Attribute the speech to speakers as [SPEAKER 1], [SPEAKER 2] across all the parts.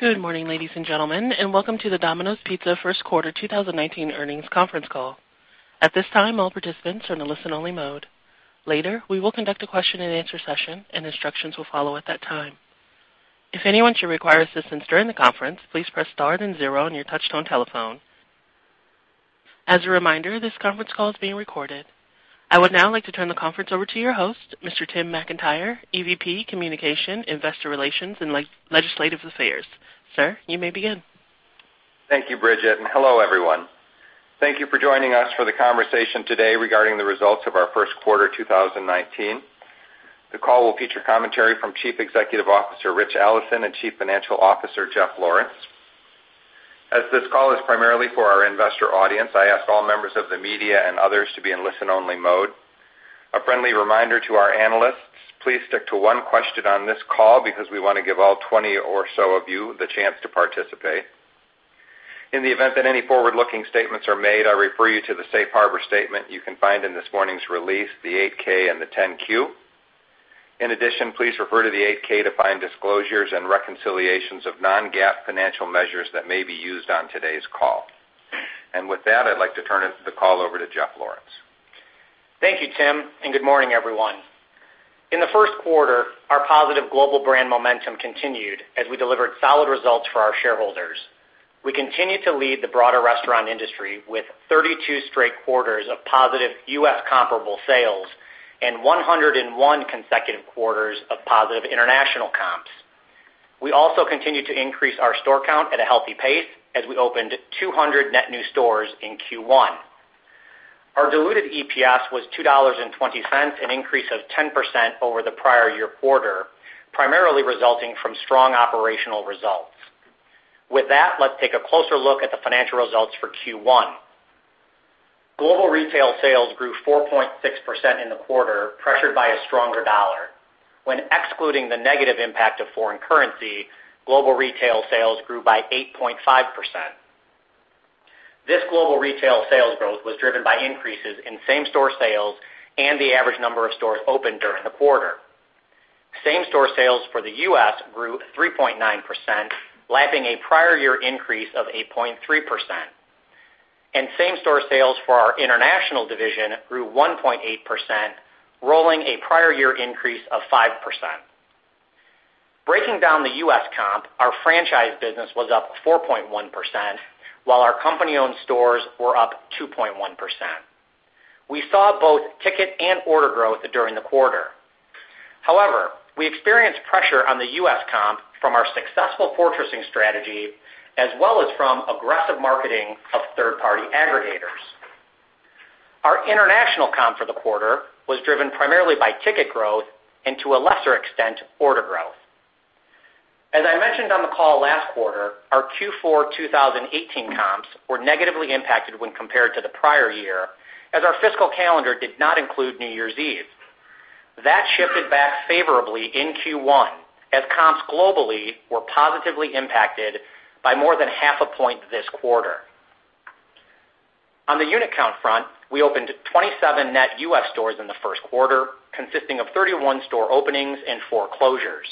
[SPEAKER 1] Good morning, ladies and gentlemen, and welcome to the Domino's Pizza Q1 2019 Earnings Conference Call. At this time, all participants are in a listen-only mode. Later, we will conduct a question and answer session, and instructions will follow at that time. If anyone should require assistance during the conference, please press star then zero on your touch-tone telephone. As a reminder, this conference call is being recorded. I would now like to turn the conference over to your host, Mr. Tim McIntyre, EVP, Communication, Investor Relations, and Legislative Affairs. Sir, you may begin.
[SPEAKER 2] Thank you, Bridget, and hello, everyone. Thank you for joining us for the conversation today regarding the results of our Q1 2019. The call will feature commentary from Chief Executive Officer Richard Allison and Chief Financial Officer Jeffrey Lawrence. As this call is primarily for our investor audience, I ask all members of the media and others to be in listen-only mode. A friendly reminder to our analysts, please stick to one question on this call because we want to give all 20 or so of you the chance to participate. In the event that any forward-looking statements are made, I refer you to the safe harbor statement you can find in this morning's release, the 8-K and the 10-Q. Please refer to the 8-K to find disclosures and reconciliations of non-GAAP financial measures that may be used on today's call. With that, I'd like to turn the call over to Jeffrey Lawrence.
[SPEAKER 3] Thank you, Tim, and good morning, everyone. In the Q1, our positive global brand momentum continued as we delivered solid results for our shareholders. We continue to lead the broader restaurant industry with 32 straight quarters of positive U.S. comparable sales and 101 consecutive quarters of positive international comps. We also continue to increase our store count at a healthy pace as we opened 200 net new stores in Q1. Our diluted EPS was $2.20, an increase of 10% over the prior year quarter, primarily resulting from strong operational results. With that, let's take a closer look at the financial results for Q1. Global retail sales grew 4.6% in the quarter, pressured by a stronger dollar. When excluding the negative impact of foreign currency, global retail sales grew by 8.5%. This global retail sales growth was driven by increases in same-store sales and the average number of stores opened during the quarter. Same-store sales for the U.S. grew 3.9%, lapping a prior year increase of 8.3%. Same-store sales for our international division grew 1.8%, rolling a prior year increase of 5%. Breaking down the U.S. comp, our franchise business was up 4.1%, while our company-owned stores were up 2.1%. We saw both ticket and order growth during the quarter. However, we experienced pressure on the U.S. comp from our successful fortressing strategy, as well as from aggressive marketing of third-party aggregators. Our international comp for the quarter was driven primarily by ticket growth and to a lesser extent, order growth. As I mentioned on the call last quarter, our Q4 2018 comps were negatively impacted when compared to the prior year, as our fiscal calendar did not include New Year's Eve. That shifted back favorably in Q1, as comps globally were positively impacted by more than half a point this quarter. On the unit count front, we opened 27 net U.S. stores in the Q1, consisting of 31 store openings and four closures.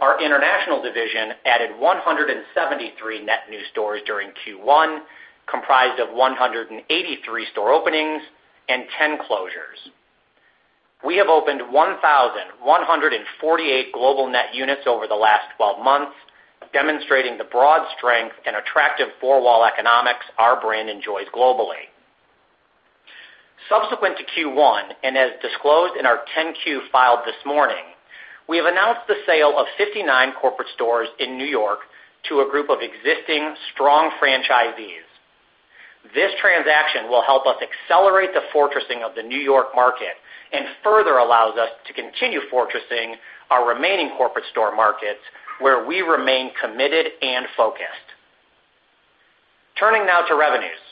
[SPEAKER 3] Our international division added 173 net new stores during Q1, comprised of 183 store openings and 10 closures. We have opened 1,148 global net units over the last 12 months, demonstrating the broad strength and attractive four-wall economics our brand enjoys globally. Subsequent to Q1, and as disclosed in our 10-Q filed this morning, we have announced the sale of 59 corporate stores in New York to a group of existing strong franchisees. This transaction will help us accelerate the fortressing of the New York market and further allows us to continue fortressing our remaining corporate store markets where we remain committed and focused. Turning now to revenues.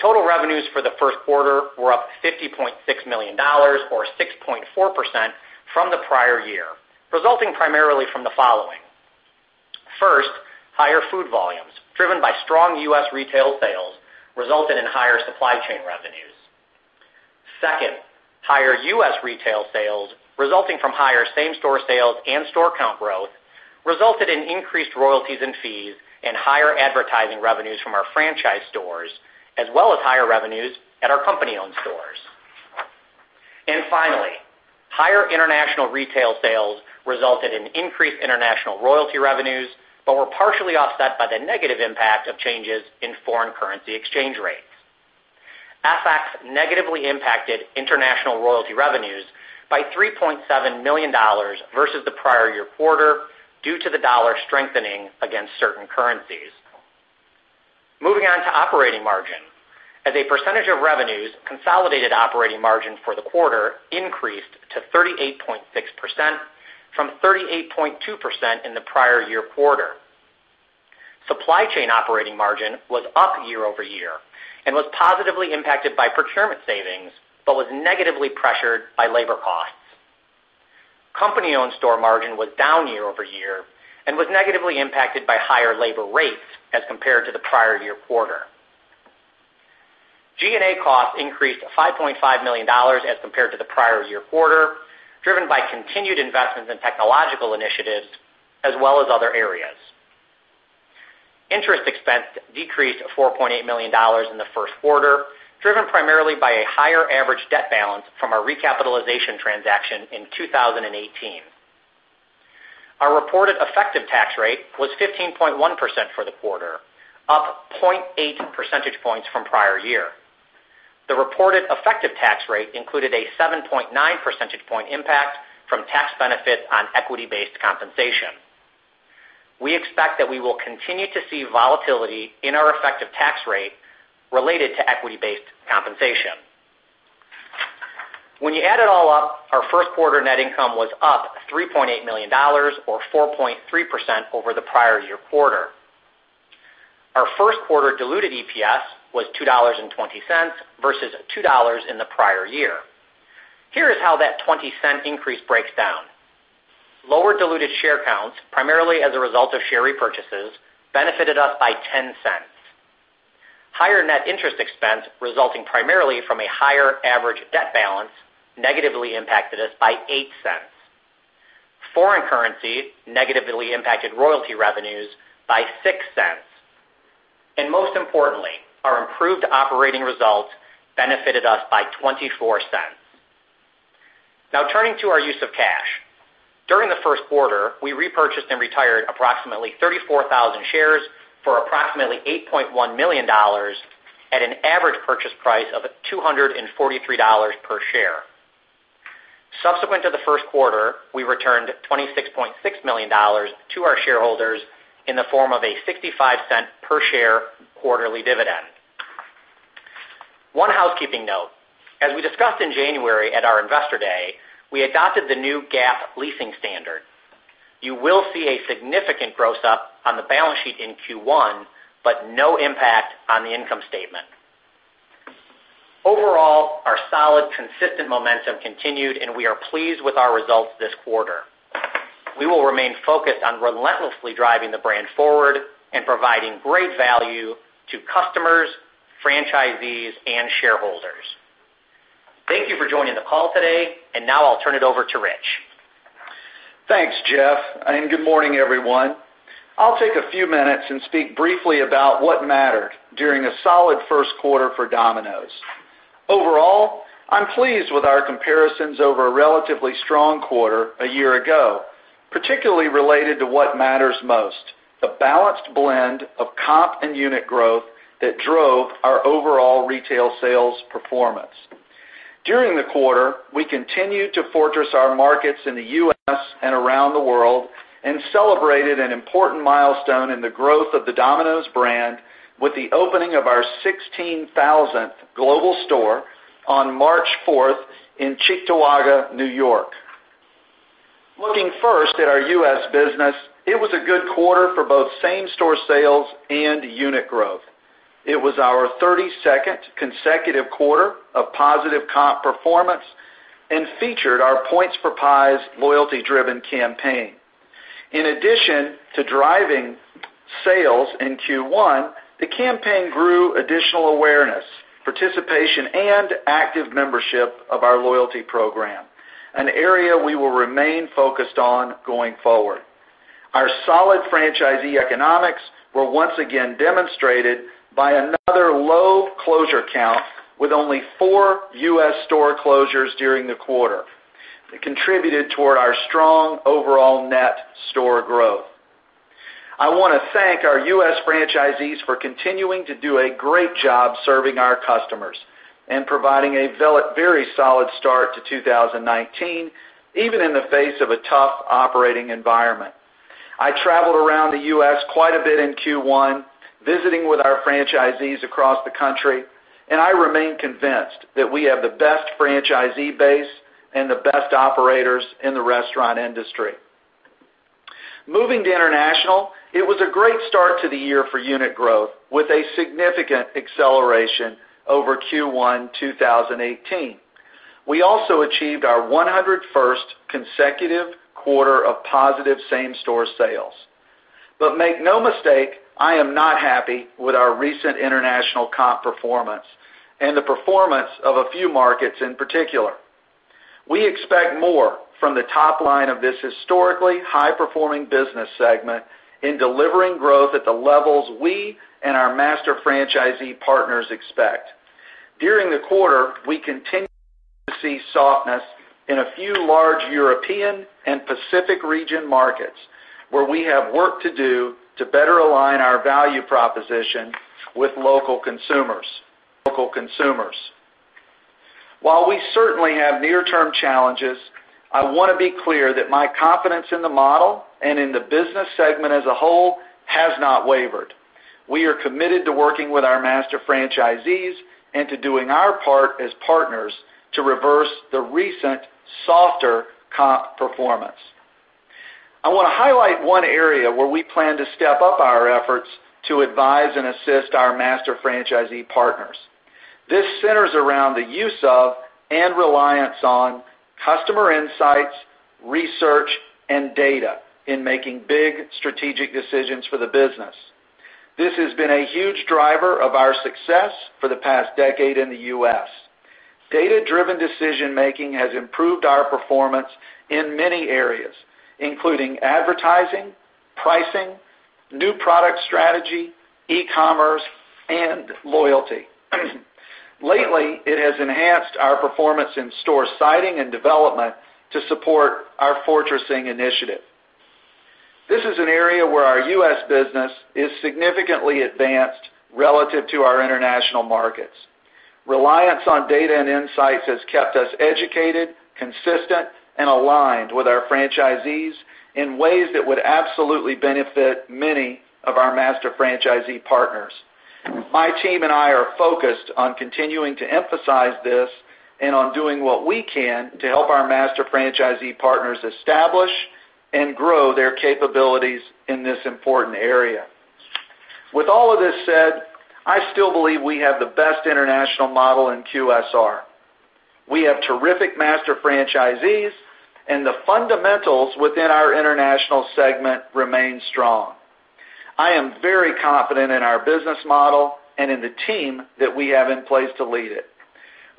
[SPEAKER 3] Total revenues for the Q1 were up $50.6 million or 6.4% from the prior year, resulting primarily from the following. First, higher food volumes driven by strong U.S. retail sales resulted in higher supply chain revenues. Second, higher U.S. retail sales resulting from higher same-store sales and store count growth resulted in increased royalties and fees and higher advertising revenues from our franchise stores, as well as higher revenues at our company-owned stores. Finally, higher international retail sales resulted in increased international royalty revenues, but were partially offset by the negative impact of changes in foreign currency exchange rates. FX negatively impacted international royalty revenues by $3.7 million versus the prior year quarter due to the dollar strengthening against certain currencies. Moving on to operating margin. As a percentage of revenues, consolidated operating margin for the quarter increased to 38.6% from 38.2% in the prior year quarter. Supply chain operating margin was up year-over-year and was positively impacted by procurement savings but was negatively pressured by labor costs. Company-owned store margin was down year-over-year and was negatively impacted by higher labor rates as compared to the prior year quarter. G&A costs increased $5.5 million as compared to the prior year quarter, driven by continued investments in technological initiatives as well as other areas. Interest expense decreased $4.8 million in the Q1, driven primarily by a higher average debt balance from our recapitalization transaction in 2018. Our reported effective tax rate was 15.1% for the quarter, up 0.8 percentage points from prior year. The reported effective tax rate included a 7.9 percentage point impact from tax benefits on equity-based compensation. We expect that we will continue to see volatility in our effective tax rate related to equity-based compensation. When you add it all up, our Q1 net income was up $3.8 million or 4.3% over the prior year quarter. Our Q1 diluted EPS was $2.20 versus $2 in the prior year. Here is how that $0.20 increase breaks down. Lower diluted share counts, primarily as a result of share repurchases, benefited us by $0.10. Higher net interest expense resulting primarily from a higher average debt balance negatively impacted us by $0.08. Foreign currency negatively impacted royalty revenues by $0.06. Most importantly, our improved operating results benefited us by $0.24. Now turning to our use of cash. During the Q1, we repurchased and retired approximately 34,000 shares for approximately $8.1 million at an average purchase price of $243 per share. Subsequent to the Q1, we returned $26.6 million to our shareholders in the form of a $0.65 per share quarterly dividend. One housekeeping note: as we discussed in January at our Investor Day, we adopted the new GAAP leasing standard. You will see a significant gross up on the balance sheet in Q1, but no impact on the income statement. Overall, our solid, consistent momentum continued, and we are pleased with our results this quarter. We will remain focused on relentlessly driving the brand forward and providing great value to customers, franchisees, and shareholders. Thank you for joining the call today. Now I'll turn it over to Rich.
[SPEAKER 4] Thanks, Jeff. Good morning, everyone. I'll take a few minutes and speak briefly about what mattered during a solid Q1 for Domino's. Overall, I'm pleased with our comparisons over a relatively strong quarter a year ago, particularly related to what matters most, the balanced blend of comp and unit growth that drove our overall retail sales performance. During the quarter, we continued to fortress our markets in the U.S. and around the world and celebrated an important milestone in the growth of the Domino's brand with the opening of our 16,000th global store on 4 March in Cheektowaga, New York. Looking first at our U.S. business, it was a good quarter for both same-store sales and unit growth. It was our 32nd consecutive quarter of positive comp performance and featured our Points for Pies loyalty-driven campaign. In addition to driving sales in Q1, the campaign grew additional awareness, participation, and active membership of our loyalty program, an area we will remain focused on going forward. Our solid franchisee economics were once again demonstrated by another low closure count with only four U.S. store closures during the quarter. It contributed toward our strong overall net store growth. I want to thank our U.S. franchisees for continuing to do a great job serving our customers and providing a very solid start to 2019, even in the face of a tough operating environment. I traveled around the U.S. quite a bit in Q1, visiting with our franchisees across the country, and I remain convinced that we have the best franchisee base and the best operators in the restaurant industry. Moving to international, it was a great start to the year for unit growth with a significant acceleration over Q1 2018. We also achieved our 101st consecutive quarter of positive same-store sales. Make no mistake, I am not happy with our recent international comp performance and the performance of a few markets in particular. We expect more from the top line of this historically high-performing business segment in delivering growth at the levels we and our master franchisee partners expect. During the quarter, we continued to see softness in a few large European and Pacific region markets where we have work to do to better align our value proposition with local consumers. While we certainly have near-term challenges, I want to be clear that my confidence in the model and in the business segment as a whole has not wavered. We are committed to working with our master franchisees and to doing our part as partners to reverse the recent softer comp performance. I want to highlight one area where we plan to step up our efforts to advise and assist our master franchisee partners. This centers around the use of and reliance on customer insights, research, and data in making big strategic decisions for the business. This has been a huge driver of our success for the past decade in the U.S. Data-driven decision-making has improved our performance in many areas, including advertising, pricing, new product strategy, e-commerce, and loyalty. Lately, it has enhanced our performance in store siting and development to support our fortressing initiative. This is an area where our U.S. business is significantly advanced relative to our international markets. Reliance on data and insights has kept us educated, consistent, and aligned with our franchisees in ways that would absolutely benefit many of our master franchisee partners. My team and I are focused on continuing to emphasize this and on doing what we can to help our master franchisee partners establish and grow their capabilities in this important area. With all of this said, I still believe we have the best international model in QSR. We have terrific master franchisees, and the fundamentals within our international segment remain strong. I am very confident in our business model and in the team that we have in place to lead it.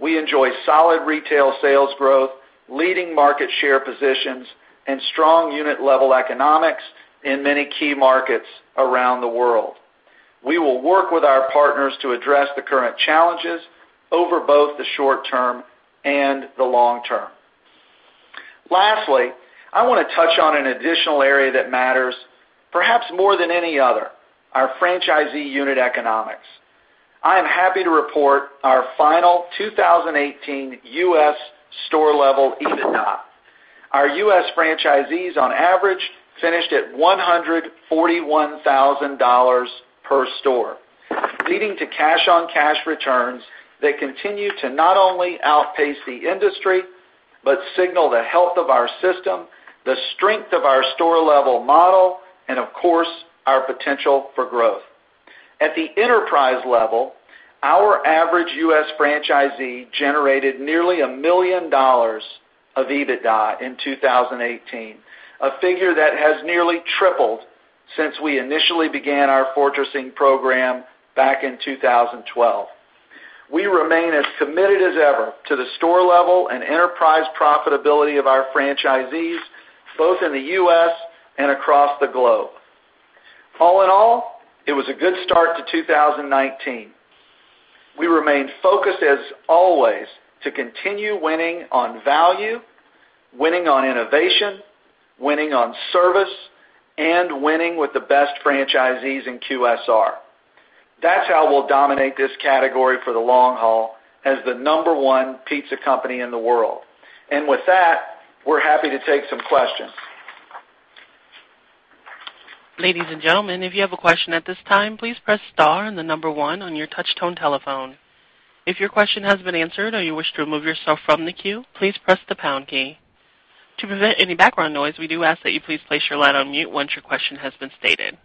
[SPEAKER 4] We enjoy solid retail sales growth, leading market share positions, and strong unit-level economics in many key markets around the world. We will work with our partners to address the current challenges over both the short term and the long term. Lastly, I want to touch on an additional area that matters perhaps more than any other, our franchisee unit economics. I am happy to report our final 2018 U.S. store-level EBITDA. Our U.S. franchisees on average finished at $141,000 per store, leading to cash-on-cash returns that continue to not only outpace the industry, but signal the health of our system, the strength of our store-level model, and of course, our potential for growth. At the enterprise level, our average U.S. franchisee generated nearly $1 million of EBITDA in 2018, a figure that has nearly tripled since we initially began our fortressing program back in 2012. We remain as committed as ever to the store level and enterprise profitability of our franchisees, both in the U.S. and across the globe. All in all, it was a good start to 2019. We remain focused as always to continue winning on value, winning on innovation, winning on service, and winning with the best franchisees in QSR. That's how we'll dominate this category for the long haul as the number one pizza company in the world. With that, we're happy to take some questions.
[SPEAKER 1] Ladies and gentlemen, if you have a question at this time, please press star and the number one on your touch-tone telephone. If your question has been answered or you wish to remove yourself from the queue, please press the pound key. To prevent any background noise, we do ask that you please place your line on mute once your question has been stated.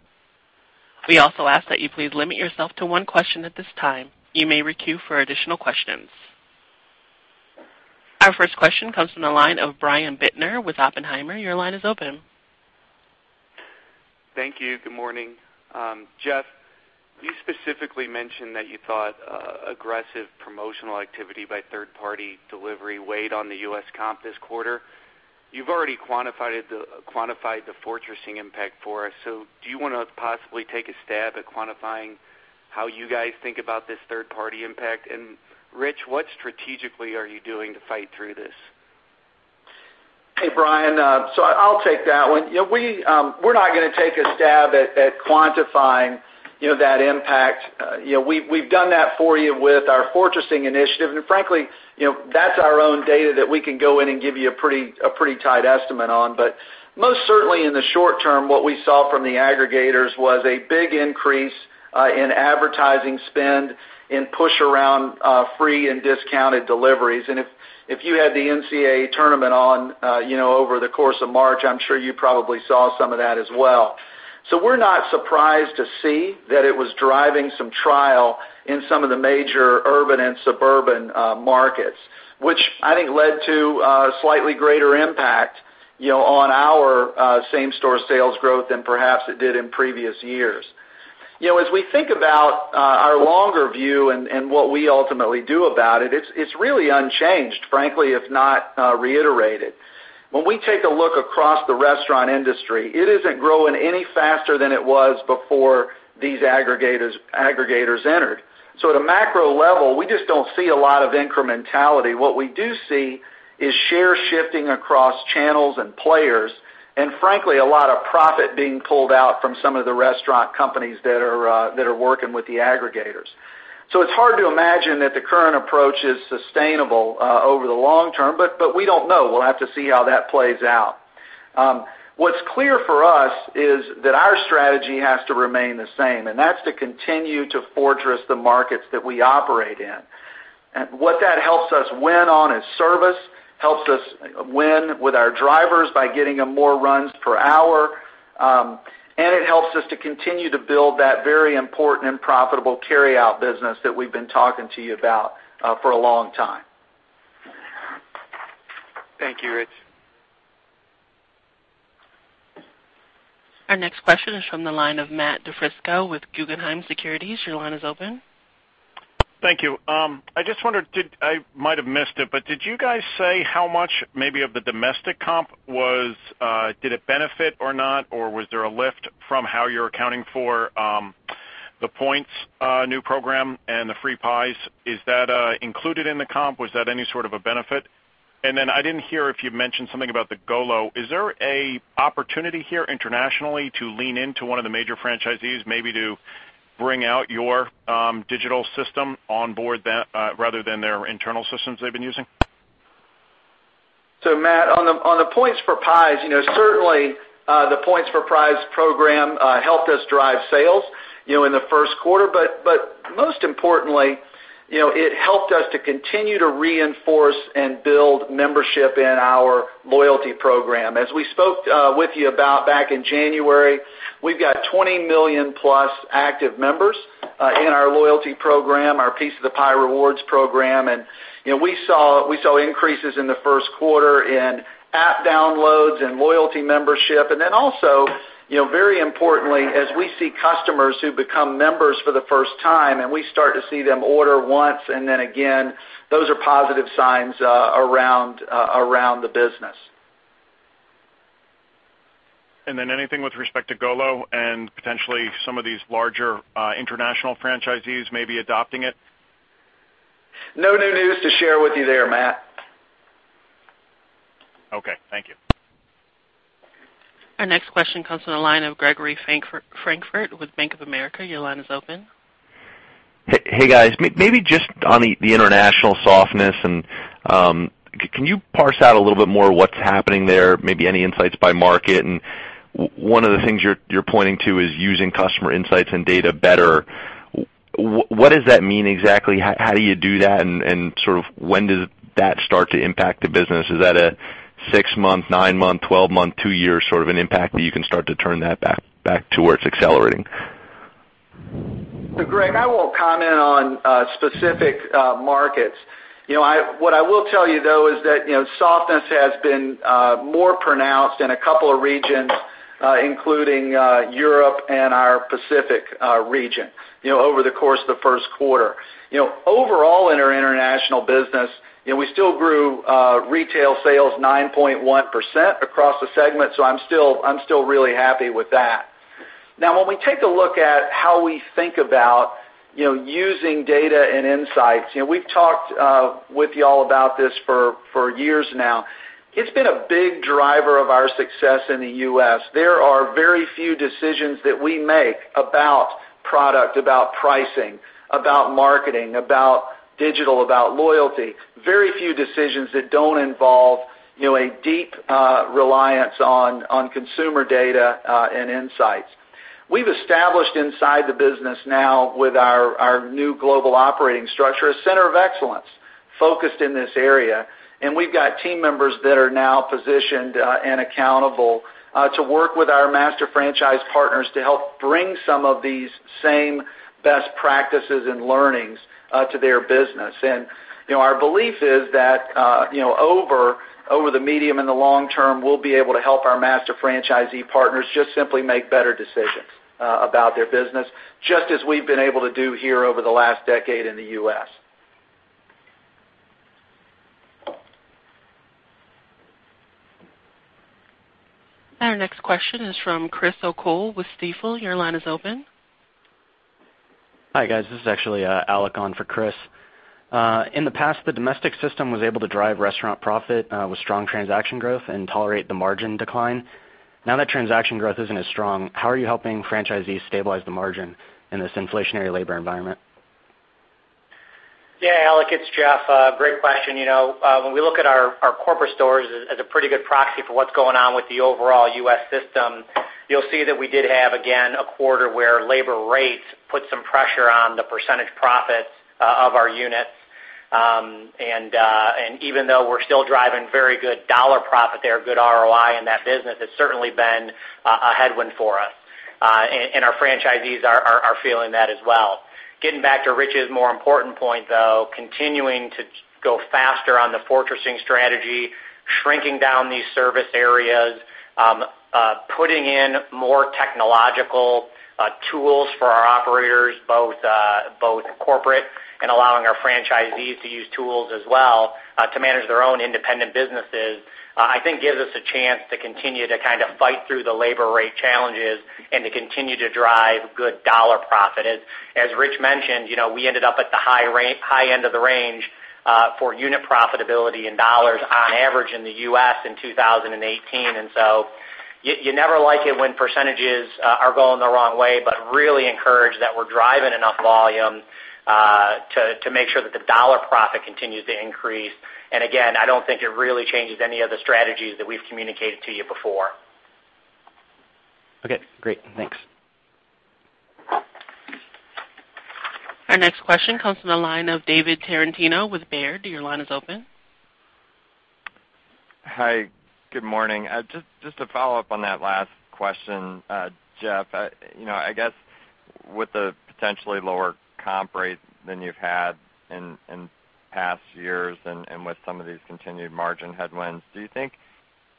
[SPEAKER 1] We also ask that you please limit yourself to one question at this time. You may re-queue for additional questions. Our first question comes from the line of Brian Bittner with Oppenheimer. Your line is open.
[SPEAKER 5] Thank you. Good morning. Jeff, you specifically mentioned that you thought aggressive promotional activity by third-party delivery weighed on the U.S. comp this quarter. You've already quantified the fortressing impact for us, so do you want to possibly take a stab at quantifying how you guys think about this third-party impact? Rich, what strategically are you doing to fight through this?
[SPEAKER 4] Hey, Brian. I'll take that one. We're not going to take a stab at quantifying that impact. We've done that for you with our Fortressing initiative, and frankly, that's our own data that we can go in and give you a pretty tight estimate on. Most certainly in the short term, what we saw from the aggregators was a big increase in advertising spend in push around free and discounted deliveries. If you had the NCAA tournament on over the course of March, I'm sure you probably saw some of that as well. We're not surprised to see that it was driving some trial in some of the major urban and suburban markets, which I think led to a slightly greater impact on our same-store sales growth than perhaps it did in previous years. As we think about our longer view and what we ultimately do about it's really unchanged, frankly, if not reiterated. When we take a look across the restaurant industry, it isn't growing any faster than it was before these aggregators entered. At a macro level, we just don't see a lot of incrementality. What we do see is share shifting across channels and players, and frankly, a lot of profit being pulled out from some of the restaurant companies that are working with the aggregators. It's hard to imagine that the current approach is sustainable over the long term, but we don't know. We'll have to see how that plays out. What's clear for us is that our strategy has to remain the same, and that's to continue to fortress the markets that we operate in. What that helps us win on is service, helps us win with our drivers by getting them more runs per hour. It helps us to continue to build that very important and profitable carryout business that we've been talking to you about for a long time.
[SPEAKER 5] Thank you, Rich.
[SPEAKER 1] Our next question is from the line of Matt DiFrisco with Guggenheim Securities. Your line is open.
[SPEAKER 6] Thank you. I just wondered, I might have missed it, did you guys say how much maybe of the domestic comp did it benefit or not, or was there a lift from how you're accounting for the Points for Pies program and the free pies? Is that included in the comp? Was that any sort of a benefit? I didn't hear if you mentioned something about the GOLO. Is there an opportunity here internationally to lean into one of the major franchisees, maybe to bring out your digital system on board rather than their internal systems they've been using?
[SPEAKER 4] Matt, on the Points for Pies, certainly the Points for Pies program helped us drive sales in the Q1. Most importantly, it helped us to continue to reinforce and build membership in our loyalty program. As we spoke with you about back in January, we've got 20 million+ active members in our loyalty program, our Piece of the Pie Rewards program. We saw increases in the Q1 in app downloads and loyalty membership. Also, very importantly, as we see customers who become members for the first time, and we start to see them order once and then again, those are positive signs around the business.
[SPEAKER 6] Anything with respect to GOLO and potentially some of these larger international franchisees maybe adopting it?
[SPEAKER 4] No new news to share with you there, Matt.
[SPEAKER 6] Okay. Thank you.
[SPEAKER 1] Our next question comes from the line of Gregory Francfort with Bank of America. Your line is open.
[SPEAKER 7] Hey, guys. Maybe just on the international softness, can you parse out a little bit more what's happening there, maybe any insights by market? One of the things you're pointing to is using customer insights and data better. What does that mean exactly? How do you do that, and when does that start to impact the business? Is that a six-month, nine-month, 12-month, two-year sort of an impact that you can start to turn that back towards accelerating?
[SPEAKER 4] Greg, I won't comment on specific markets. What I will tell you, though, is that softness has been more pronounced in a couple of regions, including Europe and our Pacific region over the course of the Q1. Overall, in our international business, we still grew retail sales 9.1% across the segment. I'm still really happy with that. Now, when we take a look at how we think about using data and insights, we've talked with you all about this for years now. It's been a big driver of our success in the U.S. There are very few decisions that we make about product, about pricing, about marketing, about digital, about loyalty, very few decisions that don't involve a deep reliance on consumer data and insights. We've established inside the business now with our new global operating structure, a center of excellence focused in this area, and we've got team members that are now positioned and accountable to work with our master franchise partners to help bring some of these same best practices and learnings to their business. Our belief is that over the medium and the long term, we'll be able to help our master franchisee partners just simply make better decisions about their business, just as we've been able to do here over the last decade in the U.S.
[SPEAKER 1] Our next question is from Chris O'Cull with Stifel. Your line is open.
[SPEAKER 8] Hi, guys. This is actually Alec on for Chris. In the past, the domestic system was able to drive restaurant profit with strong transaction growth and tolerate the margin decline. Now that transaction growth isn't as strong, how are you helping franchisees stabilize the margin in this inflationary labor environment?
[SPEAKER 3] Yeah, Alec, it's Jeff. Great question. When we look at our corporate stores as a pretty good proxy for what's going on with the overall U.S. system, you'll see that we did have, again, a quarter where labor rates put some pressure on the percentage profits of our units. Even though we're still driving very good dollar profit there, good ROI in that business, it's certainly been a headwind for us. Our franchisees are feeling that as well. Getting back to Rich's more important point, though, continuing to go faster on the fortressing strategy, shrinking down these service areas, putting in more technological tools for our operators, both corporate and allowing our franchisees to use tools as well to manage their own independent businesses, I think gives us a chance to continue to fight through the labor rate challenges and to continue to drive good dollar profit.
[SPEAKER 4] As Rich mentioned, we ended up at the high end of the range for unit profitability in dollars on average in the U.S. in 2018. You never like it when percentages are going the wrong way, but really encouraged that we're driving enough volume to make sure that the dollar profit continues to increase. Again, I don't think it really changes any of the strategies that we've communicated to you before.
[SPEAKER 8] Okay, great. Thanks.
[SPEAKER 1] Our next question comes from the line of David Tarantino with Baird. Your line is open.
[SPEAKER 9] Hi. Good morning. Just to follow up on that last question, Jeff, I guess with the potentially lower comp rate than you've had in past years and with some of these continued margin headwinds, do you think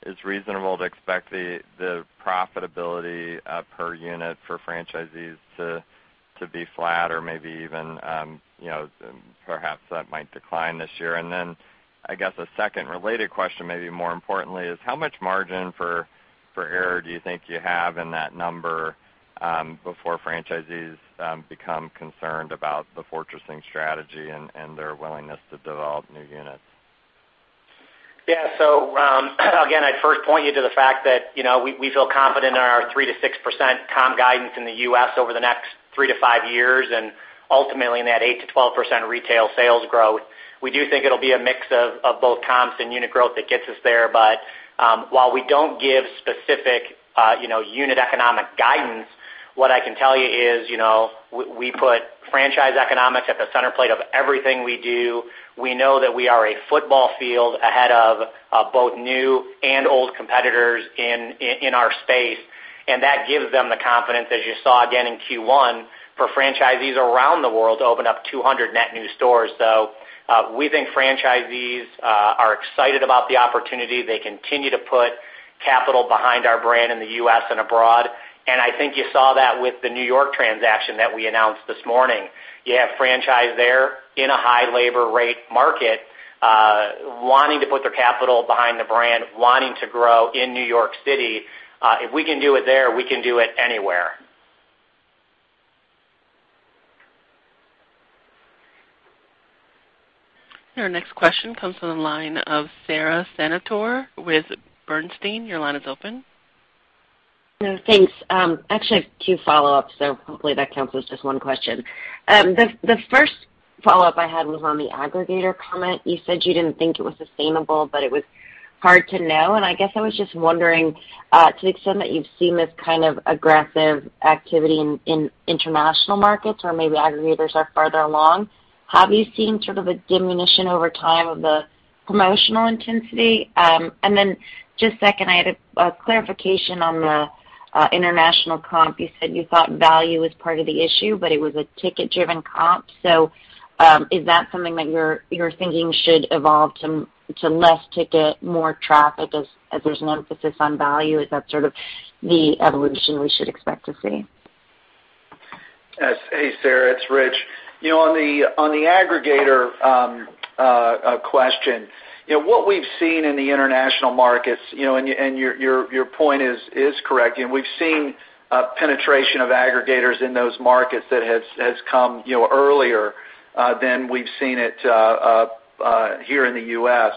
[SPEAKER 9] it's reasonable to expect the profitability per unit for franchisees to be flat or maybe even perhaps that might decline this year? I guess a second related question, maybe more importantly, is how much margin for error do you think you have in that number before franchisees become concerned about the fortressing strategy and their willingness to develop new units?
[SPEAKER 3] Yeah. Again, I'd first point you to the fact that we feel confident in our 3%-6% comp guidance in the U.S. over the next three to five years, and ultimately in that 8%-12% retail sales growth. We do think it'll be a mix of both comps and unit growth that gets us there. While we don't give specific unit economic guidance, what I can tell you is we put franchise economics at the center plate of everything we do. We know that we are a football field ahead of both new and old competitors in our space, and that gives them the confidence, as you saw again in Q1, for franchisees around the world to open up 200 net new stores. We think franchisees are excited about the opportunity. They continue to put capital behind our brand in the U.S. and abroad, and I think you saw that with the New York transaction that we announced this morning. You have franchisees there in a high labor rate market wanting to put their capital behind the brand, wanting to grow in New York City. If we can do it there, we can do it anywhere.
[SPEAKER 1] Your next question comes from the line of Sara Senatore with Bernstein. Your line is open.
[SPEAKER 10] Thanks. Actually, I have two follow-ups, so hopefully that counts as just one question. The first follow-up I had was on the aggregator comment. You said you didn't think it was sustainable, but it was hard to know, and I guess I was just wondering to the extent that you've seen this kind of aggressive activity in international markets, or maybe aggregators are farther along, have you seen sort of a diminution over time of the promotional intensity? Just second, I had a clarification on the international comp. You said you thought value was part of the issue, but it was a ticket-driven comp. Is that something that you're thinking should evolve to less ticket, more traffic as there's an emphasis on value? Is that sort of the evolution we should expect to see?
[SPEAKER 4] Hey, Sara, it's Rich. On the aggregator question, what we've seen in the international markets, and your point is correct, we've seen a penetration of aggregators in those markets that has come earlier than we've seen it here in the U.S.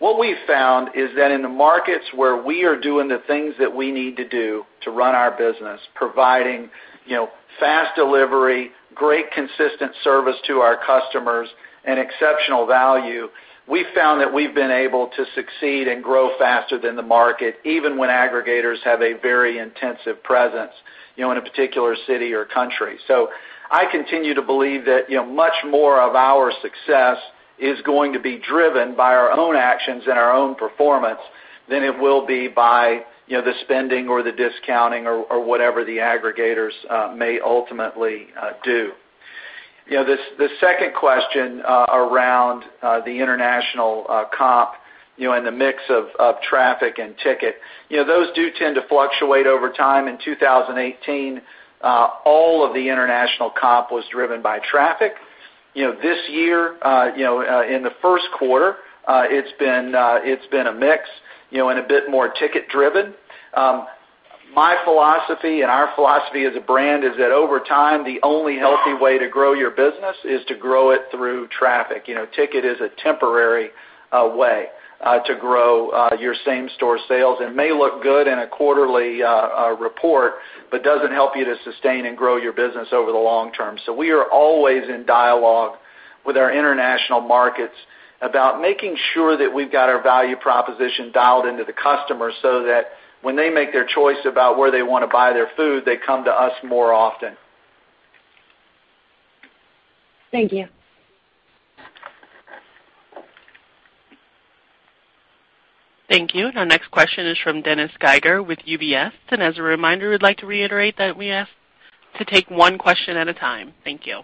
[SPEAKER 4] What we've found is that in the markets where we are doing the things that we need to do to run our business, providing fast delivery, great consistent service to our customers, and exceptional value, we've found that we've been able to succeed and grow faster than the market, even when aggregators have a very intensive presence in a particular city or country. I continue to believe that much more of our success is going to be driven by our own actions and our own performance than it will be by the spending or the discounting or whatever the aggregators may ultimately do. The second question around the international comp and the mix of traffic and ticket. Those do tend to fluctuate over time. In 2018, all of the international comp was driven by traffic. This year, in the Q1, it's been a mix and a bit more ticket driven. My philosophy and our philosophy as a brand is that over time, the only healthy way to grow your business is to grow it through traffic. Ticket is a temporary way to grow your same-store sales and may look good in a quarterly report, but doesn't help you to sustain and grow your business over the long term. We are always in dialogue with our international markets about making sure that we've got our value proposition dialed into the customer so that when they make their choice about where they want to buy their food, they come to us more often.
[SPEAKER 10] Thank you.
[SPEAKER 1] Thank you. Our next question is from Dennis Geiger with UBS. As a reminder, we'd like to reiterate that we ask to take one question at a time. Thank you.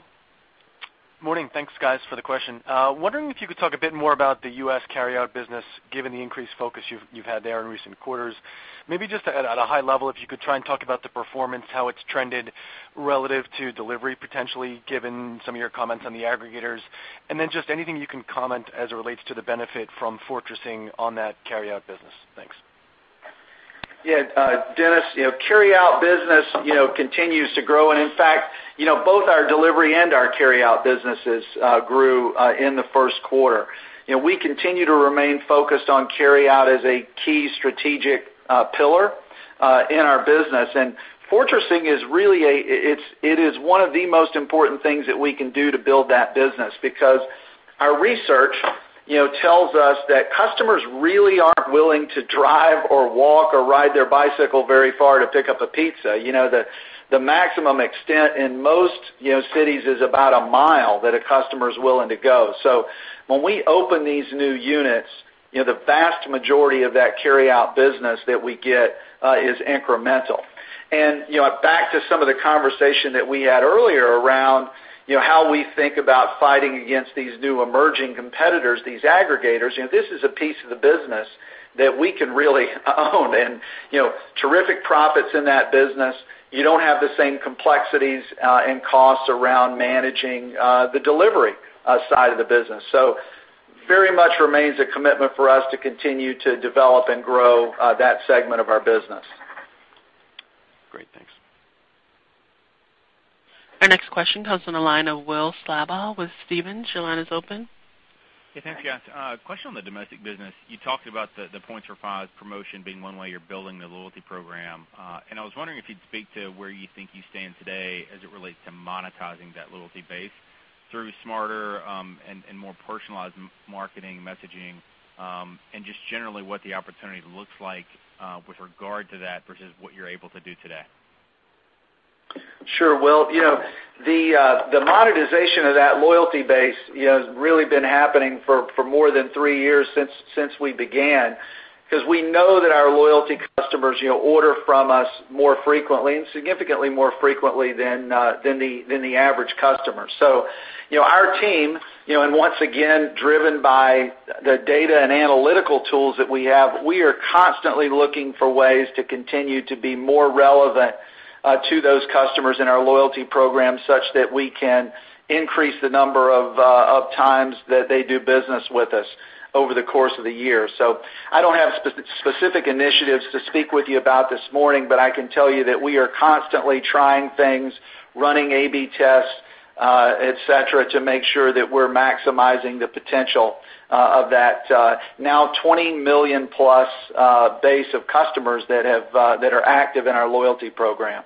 [SPEAKER 11] Morning. Thanks, guys, for the question. Wondering if you could talk a bit more about the U.S. carryout business, given the increased focus you've had there in recent quarters. Maybe just at a high level, if you could try and talk about the performance, how it's trended relative to delivery, potentially, given some of your comments on the aggregators. Then just anything you can comment as it relates to the benefit from fortressing on that carryout business. Thanks.
[SPEAKER 4] Yeah. Dennis, carryout business continues to grow, in fact, both our delivery and our carryout businesses grew in the Q1. We continue to remain focused on carryout as a key strategic pillar in our business. Fortressing is one of the most important things that we can do to build that business because Our research tells us that customers really aren't willing to drive or walk or ride their bicycle very far to pick up a pizza. The maximum extent in most cities is about a mile that a customer's willing to go. When we open these new units, the vast majority of that carry-out business that we get is incremental. Back to some of the conversation that we had earlier around how we think about fighting against these new emerging competitors, these aggregators, this is a piece of the business that we can really own. Terrific profits in that business. You don't have the same complexities and costs around managing the delivery side of the business. Very much remains a commitment for us to continue to develop and grow that segment of our business.
[SPEAKER 11] Great. Thanks.
[SPEAKER 1] Our next question comes on the line of Will Slabaugh with Stephens. Your line is open.
[SPEAKER 12] Hey, thanks. Yeah. A question on the domestic business. You talked about the Points for Pies promotion being one way you're building the loyalty program. I was wondering if you'd speak to where you think you stand today as it relates to monetizing that loyalty base through smarter and more personalized marketing messaging, and just generally what the opportunity looks like with regard to that versus what you're able to do today.
[SPEAKER 4] Sure. Will, the monetization of that loyalty base has really been happening for more than three years since we began, because we know that our loyalty customers order from us more frequently and significantly more frequently than the average customer. Our team, and once again, driven by the data and analytical tools that we have, we are constantly looking for ways to continue to be more relevant to those customers in our loyalty program, such that we can increase the number of times that they do business with us over the course of the year. I don't have specific initiatives to speak with you about this morning, but I can tell you that we are constantly trying things, running A/B tests, et cetera, to make sure that we're maximizing the potential of that now 20 million+ base of customers that are active in our loyalty program.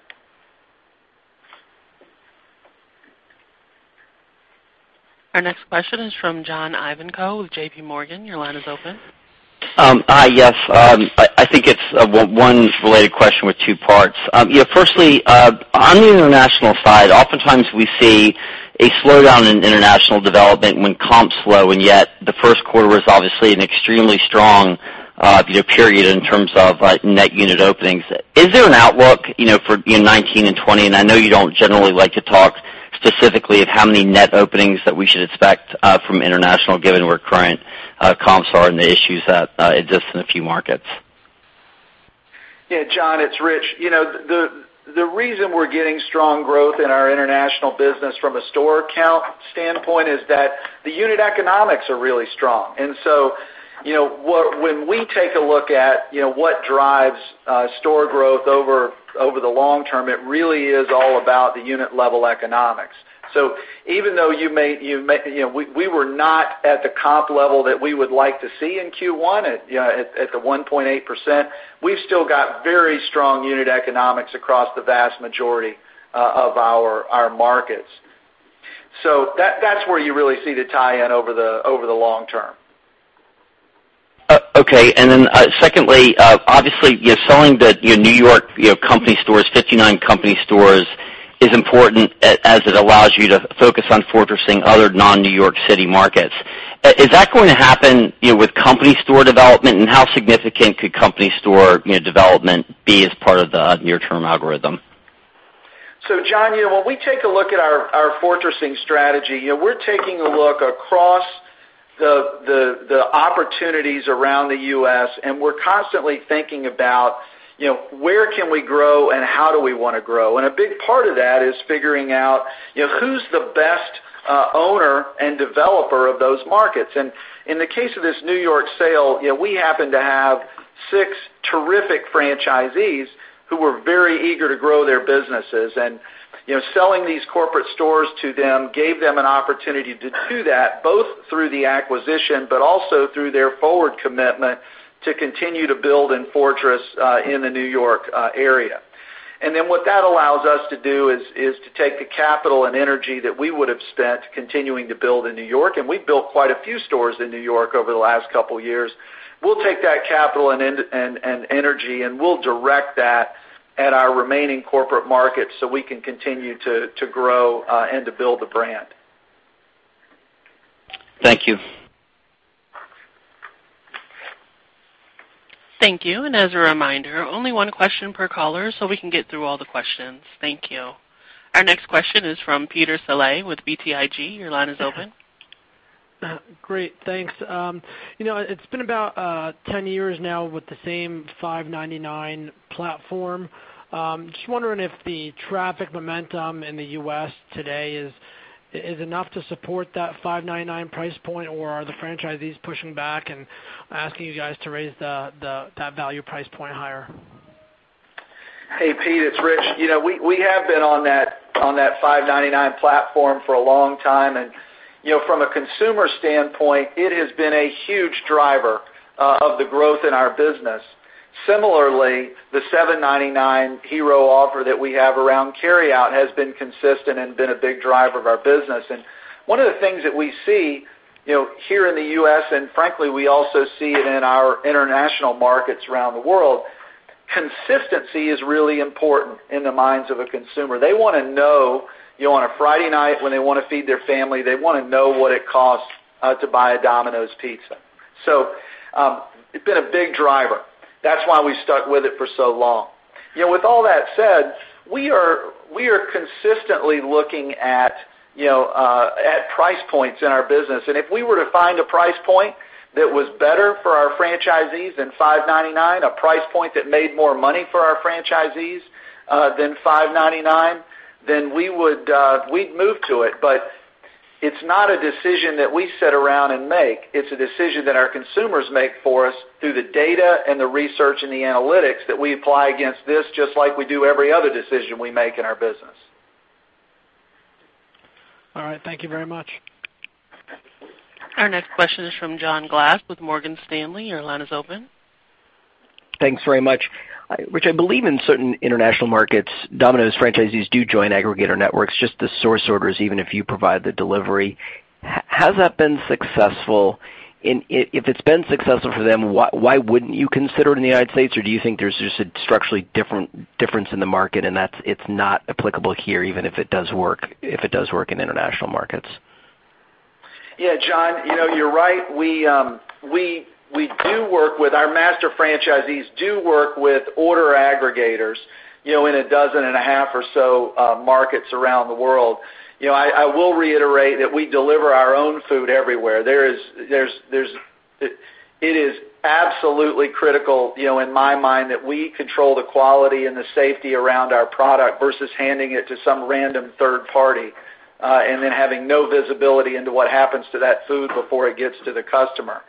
[SPEAKER 1] Our next question is from John Ivankoe with JPMorgan. Your line is open.
[SPEAKER 13] Yes. I think it's one related question with two parts. Firstly, on the international side, oftentimes we see a slowdown in international development when comps slow, yet the Q1 was obviously an extremely strong period in terms of net unit openings. Is there an outlook for 2019 and 2020? I know you don't generally like to talk specifically of how many net openings that we should expect from international given where current comps are and the issues that exist in a few markets.
[SPEAKER 4] Yeah, John, it's Rich. The reason we're getting strong growth in our international business from a store count standpoint is that the unit economics are really strong. When we take a look at what drives store growth over the long term, it really is all about the unit level economics. Even though we were not at the comp level that we would like to see in Q1 at the 1.8%, we've still got very strong unit economics across the vast majority of our markets. That's where you really see the tie-in over the long term.
[SPEAKER 13] Okay. Secondly, obviously, you're selling your New York company stores, 59 company stores, is important as it allows you to focus on fortressing other non-New York City markets. Is that going to happen with company store development, and how significant could company store development be as part of the near-term algorithm?
[SPEAKER 4] John, when we take a look at our fortressing strategy, we're taking a look across the opportunities around the U.S., and we're constantly thinking about where can we grow and how do we want to grow. A big part of that is figuring out who's the best owner and developer of those markets. In the case of this New York sale, we happen to have six terrific franchisees who were very eager to grow their businesses. Selling these corporate stores to them gave them an opportunity to do that, both through the acquisition, but also through their forward commitment to continue to build and fortress in the New York area. What that allows us to do is to take the capital and energy that we would have spent continuing to build in New York, and we built quite a few stores in New York over the last couple of years. We'll take that capital and energy, and we'll direct that at our remaining corporate markets so we can continue to grow and to build the brand.
[SPEAKER 13] Thank you.
[SPEAKER 1] Thank you. As a reminder, only one question per caller so we can get through all the questions. Thank you. Our next question is from Peter Saleh with BTIG. Your line is open.
[SPEAKER 14] Great. Thanks. It's been about 10 years now with the same $5.99 platform. Just wondering if the traffic momentum in the U.S. today is enough to support that $5.99 price point, or are the franchisees pushing back and asking you guys to raise that value price point higher?
[SPEAKER 4] Hey, Pete, it's Rich. We have been on that $5.99 platform for a long time. From a consumer standpoint, it has been a huge driver of the growth in our business. Similarly, the $7.99 hero offer that we have around carryout has been consistent and been a big driver of our business. One of the things that we see here in the U.S., and frankly, we also see it in our international markets around the world, consistency is really important in the minds of a consumer. They want to know on a Friday night when they want to feed their family, they want to know what it costs to buy a Domino's Pizza. It's been a big driver. That's why we stuck with it for so long. With all that said, we are consistently looking at price points in our business. If we were to find a price point that was better for our franchisees than $5.99, a price point that made more money for our franchisees than $5.99, then we'd move to it. It's not a decision that we sit around and make. It's a decision that our consumers make for us through the data and the research and the analytics that we apply against this, just like we do every other decision we make in our business.
[SPEAKER 14] All right. Thank you very much.
[SPEAKER 1] Our next question is from John Glass with Morgan Stanley. Your line is open.
[SPEAKER 15] Thanks very much. Rich, I believe in certain international markets, Domino's franchisees do join aggregator networks, just to source orders even if you provide the delivery. Has that been successful? If it's been successful for them, why wouldn't you consider it in the U.S.? Do you think there's just a structural difference in the market and it's not applicable here, even if it does work in international markets?
[SPEAKER 4] Yeah, John, you're right. Our master franchisees do work with order aggregators in 18 or so markets around the world. I will reiterate that we deliver our own food everywhere. It is absolutely critical in my mind that we control the quality and the safety around our product versus handing it to some random third party, and then having no visibility into what happens to that food before it gets to the customer.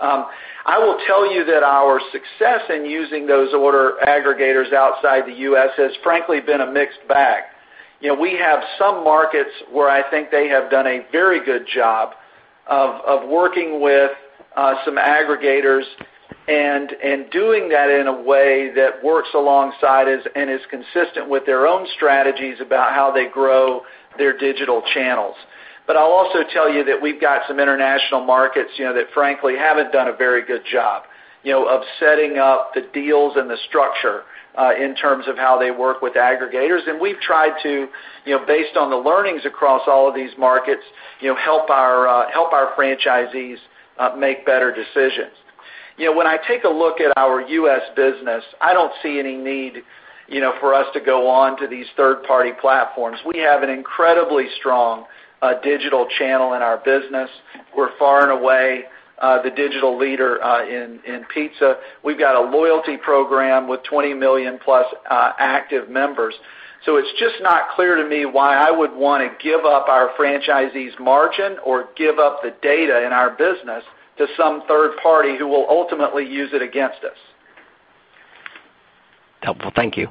[SPEAKER 4] I will tell you that our success in using those order aggregators outside the U.S. has frankly been a mixed bag. We have some markets where I think they have done a very good job of working with some aggregators and doing that in a way that works alongside us and is consistent with their own strategies about how they grow their digital channels. I'll also tell you that we've got some international markets that frankly haven't done a very good job of setting up the deals and the structure in terms of how they work with aggregators. We've tried to, based on the learnings across all of these markets, help our franchisees make better decisions. When I take a look at our U.S. business, I don't see any need for us to go on to these third-party platforms. We have an incredibly strong digital channel in our business. We're far and away the digital leader in pizza. We've got a loyalty program with 20 million-plus active members. It's just not clear to me why I would want to give up our franchisees' margin or give up the data in our business to some third party who will ultimately use it against us.
[SPEAKER 15] Helpful. Thank you.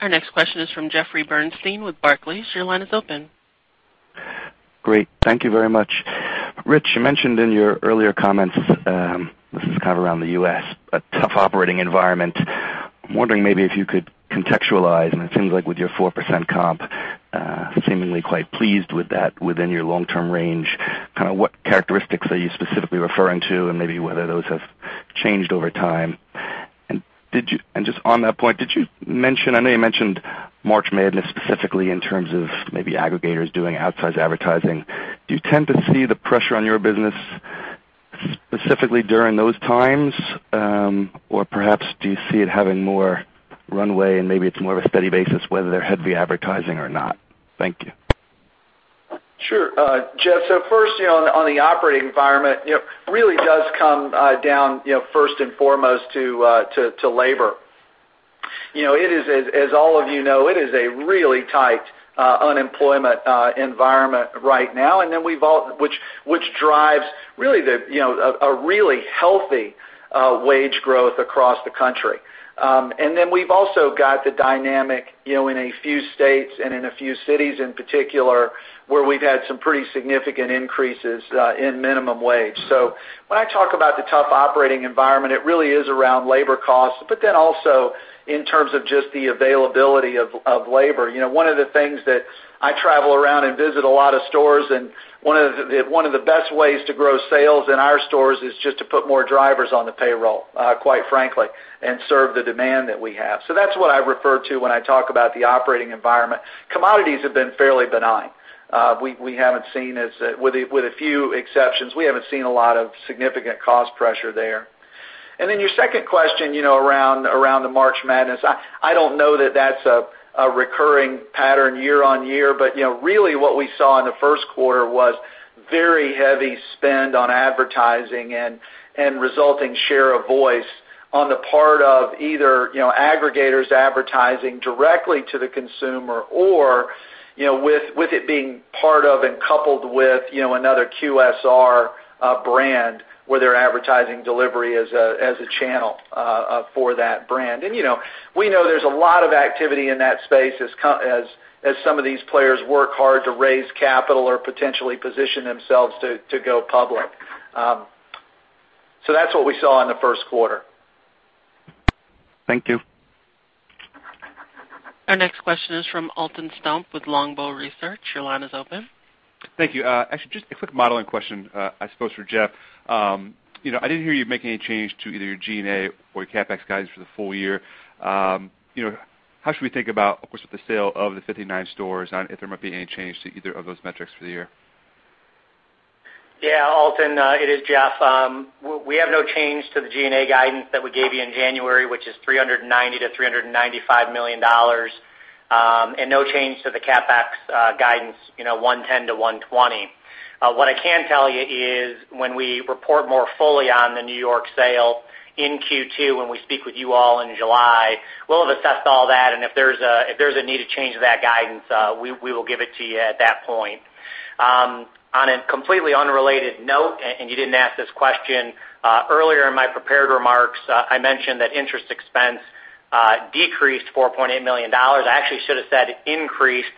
[SPEAKER 1] Our next question is from Jeffrey Bernstein with Barclays. Your line is open.
[SPEAKER 16] Great. Thank you very much. Rich, you mentioned in your earlier comments, this is kind of around the U.S., a tough operating environment. I'm wondering maybe if you could contextualize, and it seems like with your 4% comp, seemingly quite pleased with that within your long-term range, what characteristics are you specifically referring to, and maybe whether those have changed over time. Just on that point, I know you mentioned March Madness specifically in terms of maybe aggregators doing outsize advertising. Do you tend to see the pressure on your business specifically during those times? Perhaps do you see it having more runway and maybe it's more of a steady basis whether they're heavy advertising or not? Thank you.
[SPEAKER 4] Sure. Jeff, first, on the operating environment, really does come down first and foremost to labor. As all of you know, it is a really tight unemployment environment right now, which drives a really healthy wage growth across the country. We've also got the dynamic in a few states and in a few cities in particular, where we've had some pretty significant increases in minimum wage. When I talk about the tough operating environment, it really is around labor costs, also in terms of just the availability of labor. One of the things that I travel around and visit a lot of stores, one of the best ways to grow sales in our stores is just to put more drivers on the payroll, quite frankly, and serve the demand that we have. That's what I refer to when I talk about the operating environment. Commodities have been fairly benign. With a few exceptions, we haven't seen a lot of significant cost pressure there. Your second question around the March Madness, I don't know that that's a recurring pattern year on year, but really what we saw in the Q1 was very heavy spend on advertising and resulting share of voice on the part of either aggregators advertising directly to the consumer or with it being part of and coupled with another QSR brand where they're advertising delivery as a channel for that brand. We know there's a lot of activity in that space as some of these players work hard to raise capital or potentially position themselves to go public. That's what we saw in the Q1.
[SPEAKER 16] Thank you.
[SPEAKER 1] Our next question is from Alton Stump with Longbow Research. Your line is open.
[SPEAKER 17] Thank you. Actually, just a quick modeling question, I suppose, for Jeff. I didn't hear you make any change to either your G&A or your CapEx guidance for the full year. How should we think about, of course, with the sale of the 59 stores on if there might be any change to either of those metrics for the year?
[SPEAKER 3] Yeah, Alton, it is Jeff. We have no change to the G&A guidance that we gave you in January, which is $390 million-$395 million, and no change to the CapEx guidance, $110 million-$120 million. What I can tell you is when we report more fully on the N.Y. sale in Q2, when we speak with you all in July, we'll have assessed all that, and if there's a need to change that guidance, we will give it to you at that point. On a completely unrelated note, and you didn't ask this question, earlier in my prepared remarks, I mentioned that interest expense decreased $4.8 million. I actually should have said increased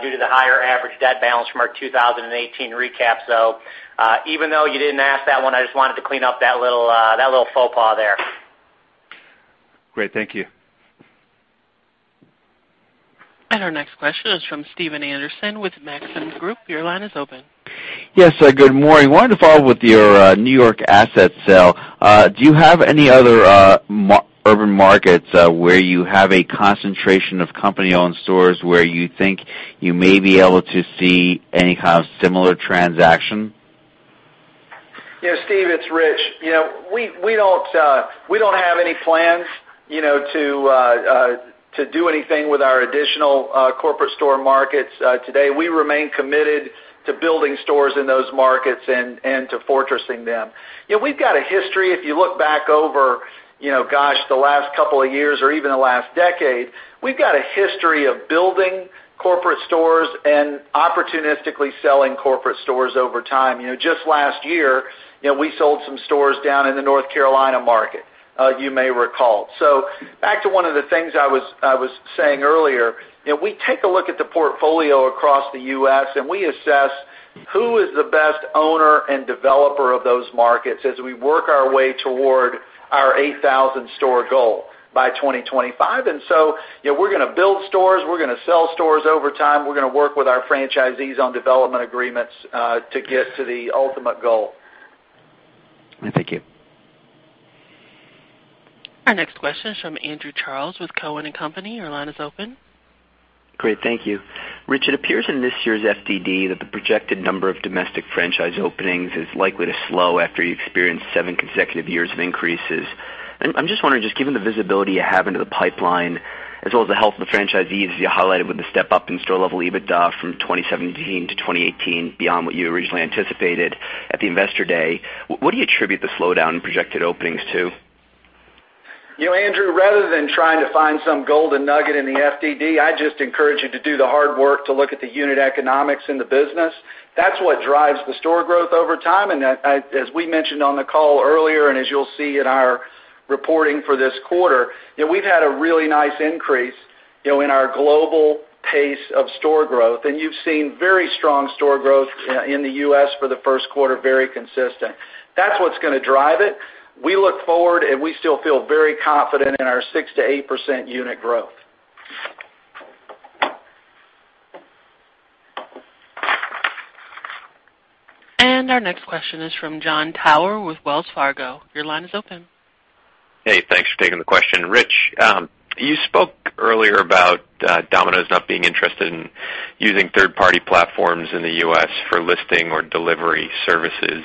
[SPEAKER 3] due to the higher average debt balance from our 2018 recap. Even though you didn't ask that one, I just wanted to clean up that little faux pas there.
[SPEAKER 17] Great. Thank you.
[SPEAKER 1] Our next question is from Stephen Anderson with Maxim Group. Your line is open.
[SPEAKER 18] Yes. Good morning. Wanted to follow up with your N.Y. asset sale. Do you have any other urban markets where you have a concentration of company-owned stores where you think you may be able to see any kind of similar transaction?
[SPEAKER 4] Steve, it's Rich. We don't have any plans to do anything with our additional corporate store markets today. We remain committed to building stores in those markets and to fortressing them. We've got a history, if you look back over, gosh, the last couple of years or even the last decade, we've got a history of building corporate stores and opportunistically selling corporate stores over time. Just last year, we sold some stores down in the North Carolina market, you may recall. Back to one of the things I was saying earlier. We take a look at the portfolio across the U.S., and we assess who is the best owner and developer of those markets as we work our way toward our 8,000 store goal by 2025. We're going to build stores, we're going to sell stores over time. We're going to work with our franchisees on development agreements, to get to the ultimate goal.
[SPEAKER 18] Thank you.
[SPEAKER 1] Our next question is from Andrew Charles with Cowen and Company. Your line is open.
[SPEAKER 19] Great, thank you. Rich, it appears in this year's FDD that the projected number of domestic franchise openings is likely to slow after you experienced seven consecutive years of increases. I'm just wondering, just given the visibility you have into the pipeline as well as the health of the franchisees, as you highlighted with the step-up in store level EBITDA from 2017 to 2018 beyond what you originally anticipated at the investor day, what do you attribute the slowdown in projected openings to?
[SPEAKER 4] Andrew, rather than trying to find some golden nugget in the FDD, I just encourage you to do the hard work to look at the unit economics in the business. That's what drives the store growth over time. As we mentioned on the call earlier, as you'll see in our reporting for this quarter, we've had a really nice increase in our global pace of store growth. You've seen very strong store growth in the U.S. for the Q1, very consistent. That's what's going to drive it. We look forward, and we still feel very confident in our 6%-8% unit growth.
[SPEAKER 1] Our next question is from Jon Tower with Wells Fargo. Your line is open.
[SPEAKER 20] Hey, thanks for taking the question. Rich, you spoke earlier about Domino's not being interested in using third-party platforms in the U.S. for listing or delivery services.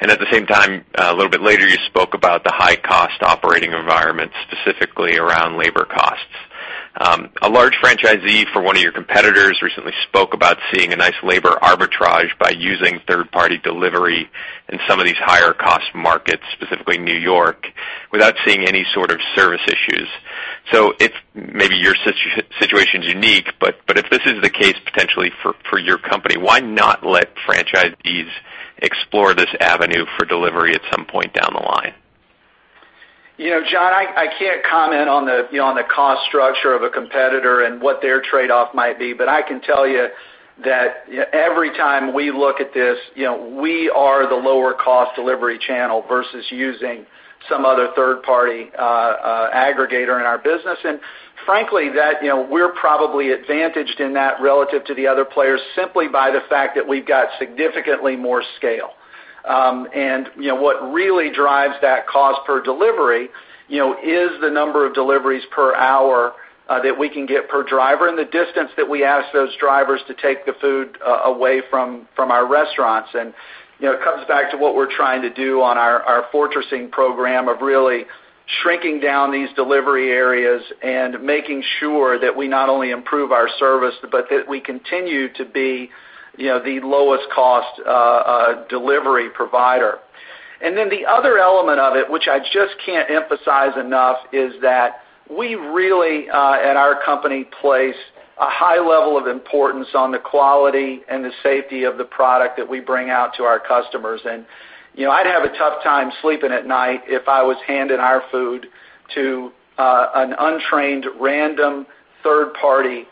[SPEAKER 20] At the same time, a little bit later, you spoke about the high cost operating environment, specifically around labor costs. A large franchisee for one of your competitors recently spoke about seeing a nice labor arbitrage by using third-party delivery in some of these higher cost markets, specifically New York, without seeing any sort of service issues. Maybe your situation's unique, but if this is the case potentially for your company, why not let franchisees explore this avenue for delivery at some point down the line?
[SPEAKER 4] John, I can't comment on the cost structure of a competitor and what their trade-off might be, but I can tell you that every time we look at this, we are the lower cost delivery channel versus using some other third party aggregator in our business. Frankly, we're probably advantaged in that relative to the other players simply by the fact that we've got significantly more scale. What really drives that cost per delivery is the number of deliveries per hour that we can get per driver and the distance that we ask those drivers to take the food away from our restaurants. It comes back to what we're trying to do on our fortressing program of really shrinking down these delivery areas and making sure that we not only improve our service, but that we continue to be the lowest cost delivery provider. The other element of it, which I just can't emphasize enough, is that we really, at our company, place a high level of importance on the quality and the safety of the product that we bring out to our customers. I'd have a tough time sleeping at night if I was handing our food to an untrained, random third-party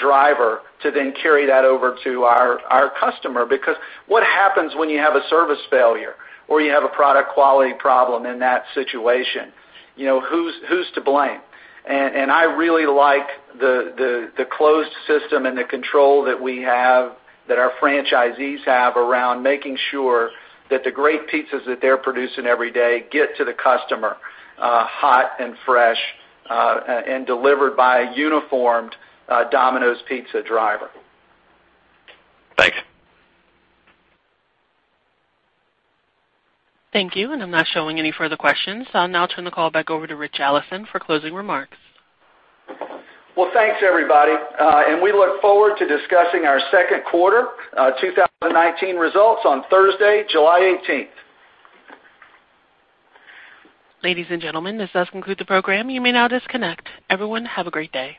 [SPEAKER 4] driver to then carry that over to our customer, because what happens when you have a service failure or you have a product quality problem in that situation? Who's to blame? I really like the closed system and the control that we have, that our franchisees have around making sure that the great pizzas that they're producing every day get to the customer hot and fresh, and delivered by a uniformed Domino's Pizza driver.
[SPEAKER 20] Thanks.
[SPEAKER 1] Thank you. I'm not showing any further questions. I'll now turn the call back over to Richard Allison for closing remarks.
[SPEAKER 4] Well, thanks everybody, and we look forward to discussing our Q2 2019 results on Thursday, 18 July.
[SPEAKER 1] Ladies and gentlemen, this does conclude the program. You may now disconnect. Everyone, have a great day.